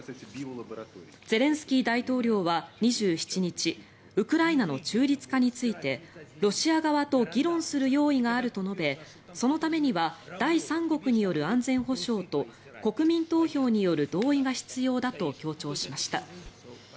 ゼレンスキー大統領は２７日ウクライナの中立化についてロシア側と議論する用意があると述べそのためには第三国による安全保障と国民投票による同意が必要だと強調しました。